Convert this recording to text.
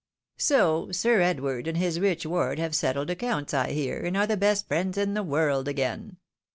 " So, Sir Edward and his rich ward have settled accounts I hear, and are the best friends in the world again.